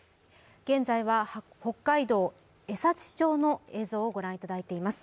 現在は北海道江差町の映像をご覧いただいています。